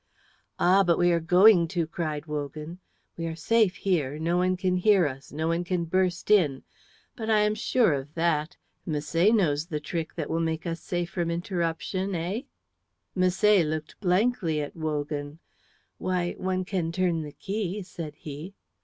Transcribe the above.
"Ah, but we are going to," cried Wogan. "We are safe here. No one can hear us; no one can burst in. But I am sure of that. Misset knows the trick that will make us safe from interruption, eh?" Misset looked blankly at Wogan. "Why, one can turn the key," said he.